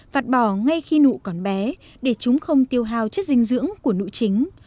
vặt bỏ ngay khi nụ còn bé để chúng không tiêu hào chất dinh dưỡng của nội chính